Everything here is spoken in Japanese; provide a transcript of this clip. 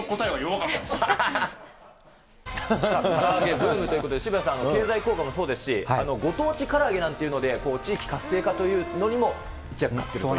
から揚げブームということで、渋谷さん、経済効果もそうですし、ご当地から揚げなんていうので、地域活性化というのにも一躍買っているという。